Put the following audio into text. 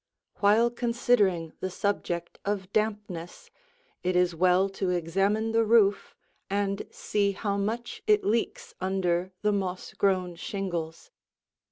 While considering the subject of dampness, it is well to examine the roof and see how much it leaks under the moss grown shingles.